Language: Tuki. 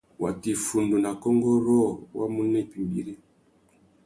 Watu iffundu nà kônkô rôō wá mú nà ipîmbîri.